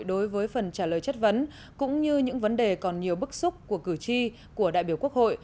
đối với phần trả lời chất vấn cũng như những vấn đề còn nhiều bức xúc của cử tri của đại biểu quốc hội